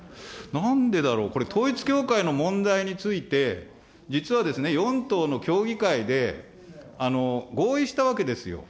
なんでだろう、これ、統一教会の問題について、実はですね、４党の協議会で、合意したわけですよ。